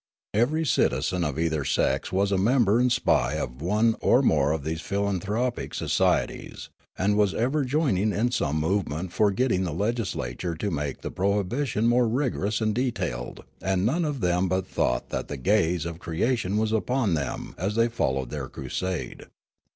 Every citizen of either sex was a member and spy of one or 198 Riallaro more of these philanthropic societies, and was ever joining in some movement for getting the legislature to make the prohibition more rigorous and detailed ; and none of them but thought that the gaze of crea tion was upon them as they followed their crusade.